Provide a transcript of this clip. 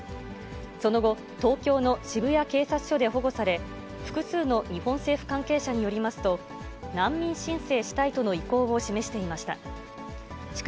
その後、東京の渋谷警察署で保護され、複数の日本政府関係者によりますと、難民申請したいとの意向を示していました。